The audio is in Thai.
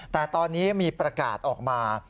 แต่ตอนนี้มีประกาศออกมา